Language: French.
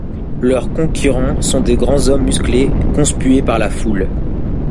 Leurs concurrents sont de grands hommes musclés conspués par la foule.